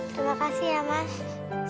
terima kasih ya mas